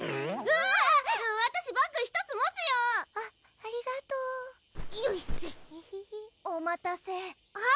わたしバッグ１つ持つよあっありがとうよいせエヘヘ・お待たせ・あっ